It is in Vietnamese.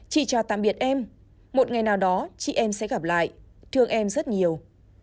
chị chào tạm biệt em một ngày nào đó chị em sẽ gặp lại thương em rất nhiều